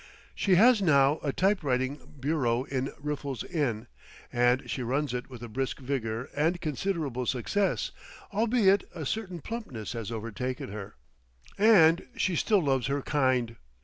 She has now a typewriting bureau in Riffle's Inn, and she runs it with a brisk vigour and considerable success, albeit a certain plumpness has overtaken her. And she still loves her kind.